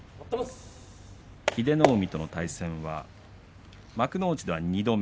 英乃海との対戦は幕内では２度目。